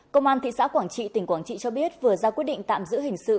công an thị xã quảng trị tỉnh quảng trị cho biết vừa ra quyết định tạm giữ hình sự